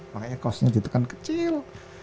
makanya kosnya gitu kan kecil